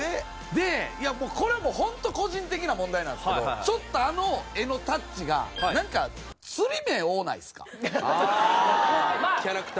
でいやこれもうホント個人的な問題なんですけどちょっとあの絵のタッチがなんかああキャラクター。